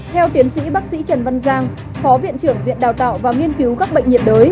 theo tiến sĩ bác sĩ trần văn giang phó viện trưởng viện đào tạo và nghiên cứu các bệnh nhiệt đới